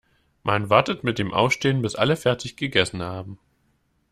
Man wartet mit dem Aufstehen, bis alle fertig gegessen haben.